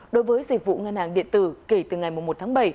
đối với dịch vụ ngân hàng điện tử kể từ ngày một tháng bảy